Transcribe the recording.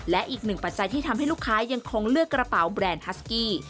และอีกหนึ่งปัจจัยที่ทำให้ลูกค้ายังคงเลือกกระเป๋าแบรนด์ฮัสกี้